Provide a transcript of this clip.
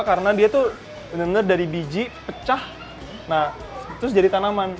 karena itu benar benar dari biji pecah nah terus jadi tanaman